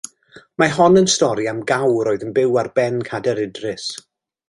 Mae hon yn stori am gawr oedd yn byw ar ben Cader Idris.